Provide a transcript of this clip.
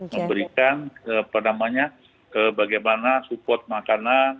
memberikan namanya ke bagaimana support makanan